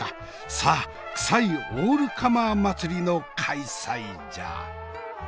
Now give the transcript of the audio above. さあクサいオールカマー祭りの開催じゃ。